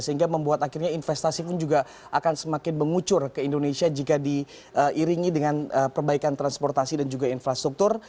sehingga membuat akhirnya investasi pun juga akan semakin mengucur ke indonesia jika diiringi dengan perbaikan transportasi dan juga infrastruktur